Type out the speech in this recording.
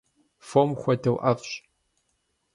Фом хуэдэу ӏэфӏщ.